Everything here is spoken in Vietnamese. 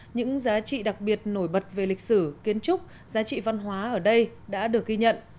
những giá trị đặc biệt nổi bật về lịch sử kiến trúc giá trị văn hóa ở đây đã được ghi nhận